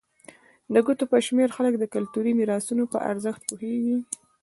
د ګوتو په شمېر خلک د کلتوري میراثونو په ارزښت پوهېږي.